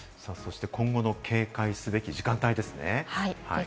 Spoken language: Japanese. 今後の警戒すべき時間帯ですね。